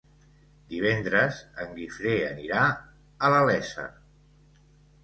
Divendres en Guifré anirà a la Iessa.